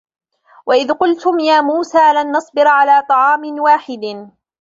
وَإِذْ قُلْتُمْ يَا مُوسَىٰ لَنْ نَصْبِرَ عَلَىٰ طَعَامٍ وَاحِدٍ